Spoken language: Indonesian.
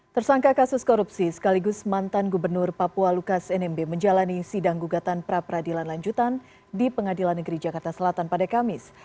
tersangka kasus korupsi sekaligus mantan gubernur papua lukas nmb menjalani sidang gugatan pra peradilan lanjutan di pengadilan negeri jakarta selatan pada kamis